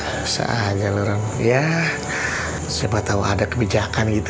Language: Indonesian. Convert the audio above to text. bisa aja lu orang ya siapa tahu ada kebijakan gitu